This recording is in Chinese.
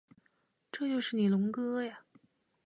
这就是你龙哥呀